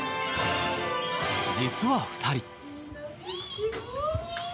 実は２人。